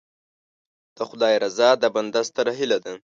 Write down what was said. د خدای رضا د بنده ستره هیله ده.